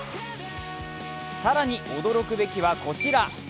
更に、驚くべきはこちら。